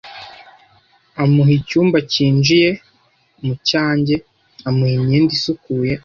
Amuha icyumba cyinjiye mucyanjye, amuha imyenda isukuye,